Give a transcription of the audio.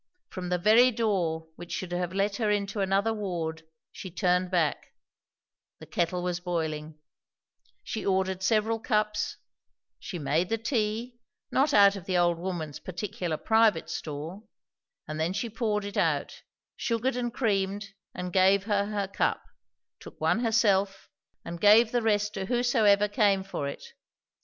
From the very door which should have let her into another ward, she turned back The kettle was boiling; she ordered several cups; she made the tea, not out of the old woman's particular private store; and then she poured it out, sugared and creamed and gave her her cup; took one herself, and gave the rest to whosoever came for it.